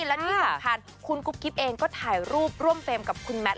และที่สำคัญคุณกุ๊บกิ๊บเองก็ถ่ายรูปร่วมเฟรมกับคุณแมท